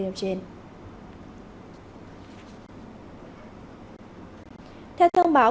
theo thông báo cảnh sát đã có mặt tại hiện trường